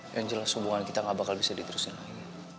yang jelas hubungan kita gak bakal bisa diterusin lagi